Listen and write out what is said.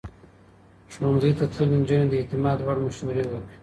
ښوونځی تللې نجونې د اعتماد وړ مشورې ورکوي.